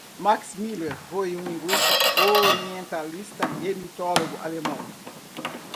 Max Müller foi um linguista, orientalista e mitólogo alemão.